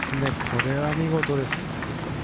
これは見事です。